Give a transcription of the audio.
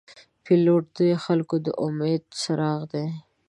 پیلوټ د خلګو د امید څراغ دی.